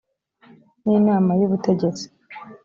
n inama y ubutegetsi